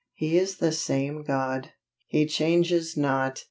He is the same God; He changes not!